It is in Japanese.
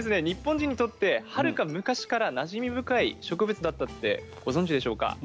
日本人にとってはるか昔からなじみ深い植物だったってご存じでしょうか？